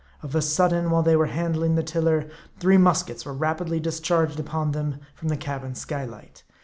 Of a sudden, while they were handling the tiller, three muskets were rapidly discharged upon them from the cabin skylight.